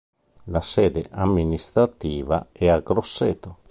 La sede amministrativa è a Grosseto.